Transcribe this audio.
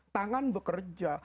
tangan itu hati bukan tangan